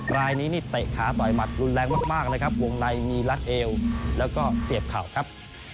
รายนี้นี่เตะขาต่อยหมัดรุนแรงมากนะครับวงในมีรัดเอวแล้วก็เสียบเข่าครับ